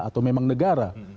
atau memang negara